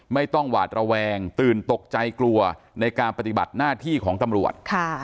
หวาดระแวงตื่นตกใจกลัวในการปฏิบัติหน้าที่ของตำรวจ